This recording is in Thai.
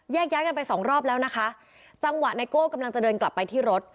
ย้ายกันไปสองรอบแล้วนะคะจังหวะไนโก้กำลังจะเดินกลับไปที่รถ